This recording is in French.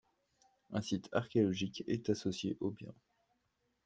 Un site archéologique est associé au bien.